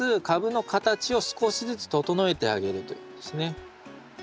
株の形を少しずつ整えてあげるということですね。